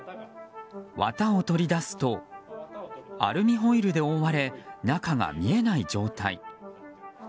綿を取り出すとアルミホイルで覆われ中が見えない状態。